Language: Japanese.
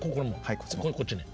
こっちに。